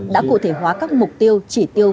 đã cụ thể hóa các mục tiêu chỉ tiêu